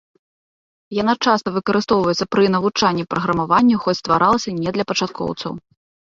Яна часта выкарыстоўваецца пры навучанні праграмаванню, хоць стваралася не для пачаткоўцаў.